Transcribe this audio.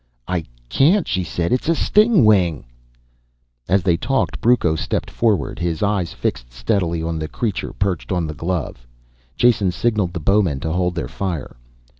"I can't," she said. "It's a stingwing!" As they talked Brucco stepped forward, his eyes fixed steadily on the creature perched on the glove. Jason signaled the bowmen to hold their fire.